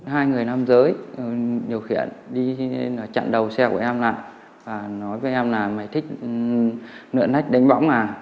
hai người nam giới điều khiển đi chặn đầu xe của em lại và nói với em là mày thích nượn lách đánh bóng à